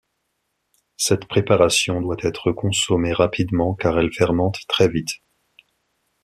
Cette préparation doit être consommée rapidement, car elle fermente très vite.